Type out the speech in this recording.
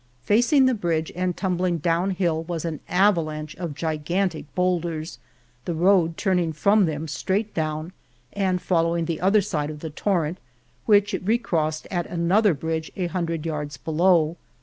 Fac ing the bridge and tumbling down hill was an avalanche of gigantic bowlders, the road turning from them straight down and follow ing the other side of the torrent, which it re crossed at another bridge a hundred yards below.